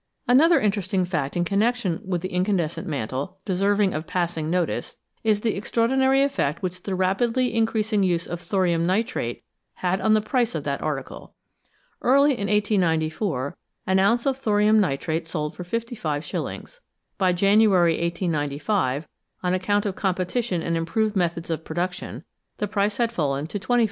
Another interesting fact in connection with the in candescent mantle deserving of passing notice is the extraordinary effect which the rapidly increasing use of thorium nitrate had on the price of that article. Early in 1894, an ounce of thorium nitrate sold for 55s. ; by January 1895, on account of competition and improved methods of production, the price had fallen to 25s.